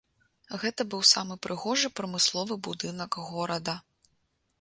Гэта быў самы прыгожы прамысловы будынак горада.